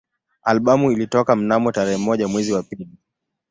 Albamu ilitoka mnamo tarehe moja mwezi wa pili